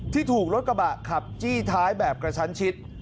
ที่ถูกรถกระบะขับจี้ท้ายแบบกระชั้นชิด